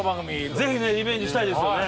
ぜひリベンジしたいですよね。